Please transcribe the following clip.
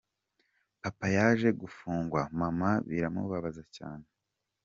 Papa yaje gufungwa, mama biramubabaza cyane.